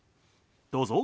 どうぞ。